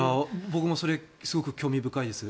僕もそれすごく興味深いです。